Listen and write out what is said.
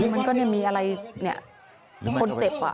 มันก็มีอะไรคนเจ็บ